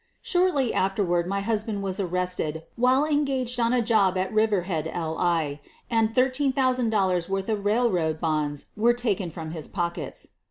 Shortly afterward my husband was arrested while engaged on a job at Riverhead, L. L, and $13,000 worth of railroad bonds were taken from his pockets.